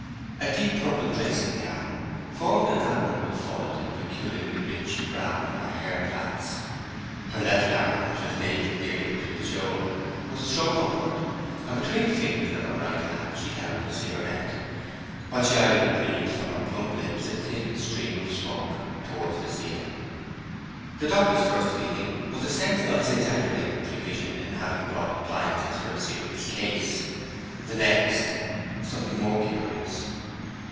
A deep purple dressing gown formed an admirable foil to the peculiarly rich brown of her hair plaits; her left arm, which was naked nearly up to the shoulder, was thrown upward, and between the fingers of her right hand she held a cigarette, while she idly breathed from her plump lips a thin stream of smoke towards the ceiling. The doctor's first feeling was a sense of his exaggerated prevision in having brought appliances for a serious case; the next, something more curious.